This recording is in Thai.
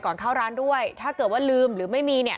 เข้าร้านด้วยถ้าเกิดว่าลืมหรือไม่มีเนี่ย